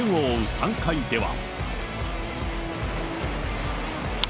３回では。